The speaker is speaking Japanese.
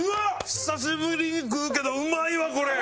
久しぶりに食うけどうまいわこれ！